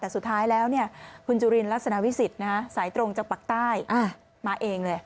แต่สุดท้ายแล้วคุณจุลินลักษณะวิสิทธิ์สายตรงจากปากใต้มาเองเลย